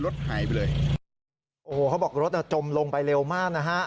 โอ้โฮเขาบอกรถจมลงไปเร็วมากนะฮะ